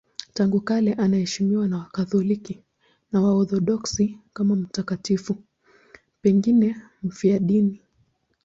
Tangu kale anaheshimiwa na Wakatoliki na Waorthodoksi kama mtakatifu, pengine mfiadini.